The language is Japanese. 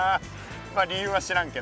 まあ理由は知らんけど。